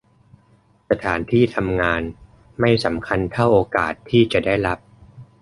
สถานที่ทำงานไม่สำคัญเท่าโอกาสที่จะได้รับ